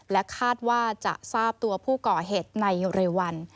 และคาดว่าจะทราบตัวผู้ก่อเหตุในเร็ววัน